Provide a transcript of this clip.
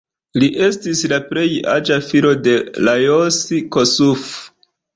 Li estis la plej aĝa filo de Lajos Kossuth.